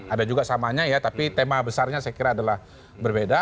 ada juga samanya ya tapi tema besarnya saya kira adalah berbeda